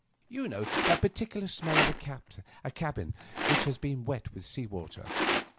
You know the peculiar smell of a cabin which has been wet with sea water.